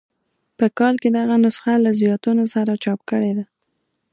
په کال کې دغه نسخه له زیاتونو سره چاپ کړې ده.